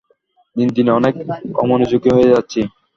দিন দিন অনেক অমনোযোগি হয়ে যাচ্ছি।